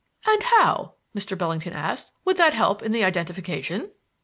"And how," Mr. Bellingham asked, "would that help the identification?"